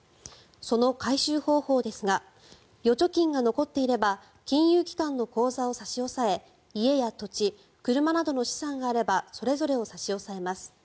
その回収方法ですが預貯金が残っていれば金融機関の口座を差し押さえ家や土地、車などの資産があればそれぞれを差し押さえます。